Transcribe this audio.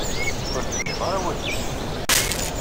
Ur d-tenniḍ ara awal-ik.